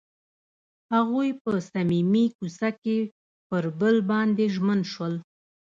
هغوی په صمیمي کوڅه کې پر بل باندې ژمن شول.